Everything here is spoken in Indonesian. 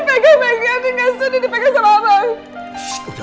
ini ada dua tlinessnya